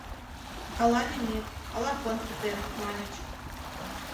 Ала лимит, ала фонд пытен, маньыч.